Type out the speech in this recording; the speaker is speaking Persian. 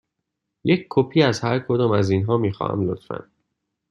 یک کپی از هر کدام از اینها می خواهم، لطفاً.